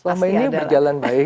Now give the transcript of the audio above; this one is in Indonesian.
selama ini berjalan baik